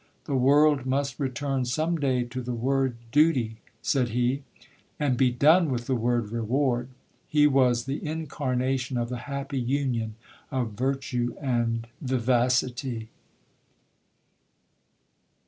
"The world must return some day to the word 'duty,'" said he, "and be done with the word 'reward.'" He was the incarnation of the happy union of virtue and vivacity.